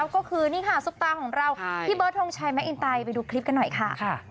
ก็คือนี่ค่ะซุปตาของเราพี่เบิร์ดทงชัยแมคอินไตไปดูคลิปกันหน่อยค่ะ